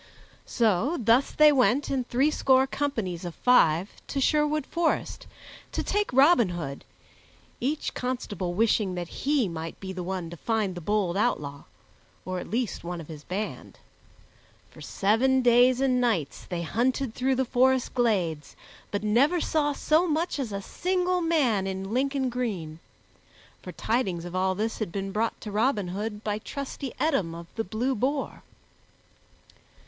So thus they went in threescore companies of five to Sherwood Forest, to take Robin Hood, each constable wishing that he might be the one to find the bold outlaw, or at least one of his band. For seven days and nights they hunted through the forest glades, but never saw so much as a single man in Lincoln green; for tidings of all this had been brought to Robin Hood by trusty Eadom o' the Blue Boar.